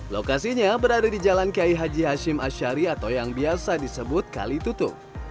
lokasinya berada di jalan kiai haji hashim ashari atau yang biasa disebut kali tutu